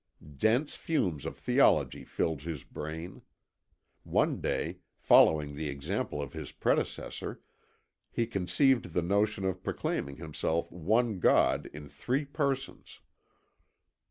Dense fumes of Theology filled his brain. One day, following the example of his predecessor, he conceived the notion of proclaiming himself one god in three persons.